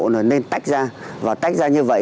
là nên tách ra và tách ra như vậy